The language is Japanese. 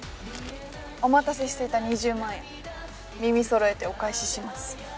お待たせしてた２０万円耳そろえてお返しします。